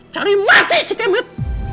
cari mati si kemet